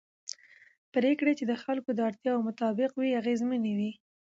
پرېکړې چې د خلکو د اړتیاوو مطابق وي اغېزمنې وي